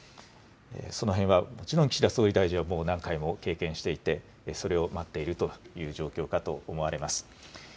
そのへんはもちろん岸田総理大臣はもう何回も経験していて、それを待っているという状況かと思われます。